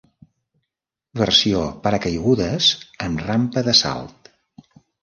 Versió paracaigudes, amb rampa de salt.